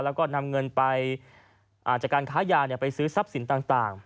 แล้วก็นำเงินไปจากการค้ายาไปซื้อทรัพย์สินต่าง